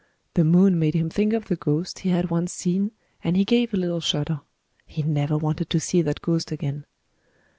The moon made him think of the ghost he had once seen and he gave a little shudder. He never wanted to see that ghost again.